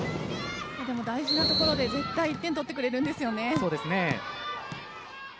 大事なところで絶対１点取ってくれるんですよね。